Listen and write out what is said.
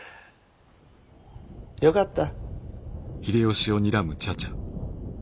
よかった。